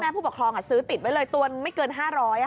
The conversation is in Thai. ผู้ปกครองซื้อติดไว้เลยตัวไม่เกิน๕๐๐บาท